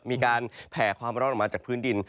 มีการแผ่ความร้อนออกมาจากพื้นดิน